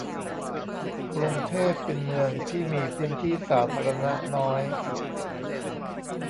กรุงเทพเป็นเมืองที่มีพื้นที่สาธารณะน้อย